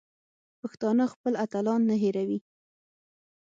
پښتانه خپل اتلان نه هېروي.